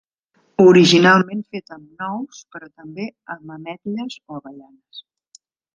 Originalment fet amb nous, però també amb ametlles o avellanes.